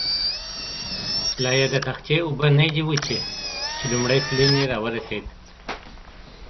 لایې د تختې اوبه نه دي وچې، چې لومړی تلین یې را ورسېد.